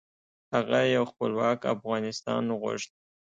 هغه یو خپلواک افغانستان غوښت .